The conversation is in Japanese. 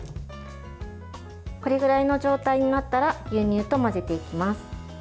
これぐらいの状態になったら牛乳と混ぜていきます。